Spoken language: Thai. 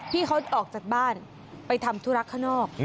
ที่เขาออกจากบ้านไปทำธุระข้างนอก